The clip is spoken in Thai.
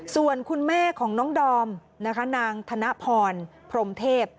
ส่วนคุณแม่ของน้องดอมนะคะนางธนพรพรมเทพ